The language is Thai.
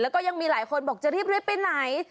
แล้วก็ยังมีหลายคนบอกจะรีบไปไหน